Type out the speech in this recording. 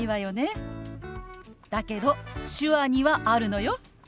だけど手話にはあるのよ。